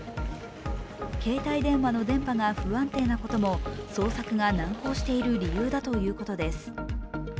携帯電話の電波が不安定なことも捜索が難航している理由だということです。